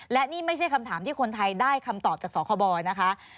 และนี่ไม่ใช่คำถามที่คนไทยได้คำตอบจากสคบนะคะ